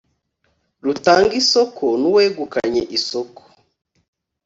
rutanga isoko n Uwegukanye isoko